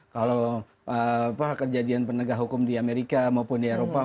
kalau kejadian penegak hukum di amerika maupun di eropa